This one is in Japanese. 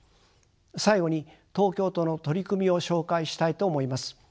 最後に東京都の取り組みを紹介したいと思います。